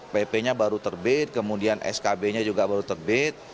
pp nya baru terbit kemudian skb nya juga baru terbit